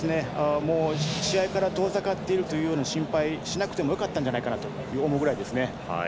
試合から遠ざかっているというような心配しなくてもよかったんじゃないかなと思うくらいですね。